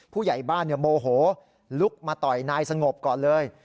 ผู้ใหญ่บ้านโมโหลุกมาต่อยนายสงบก่อนเลย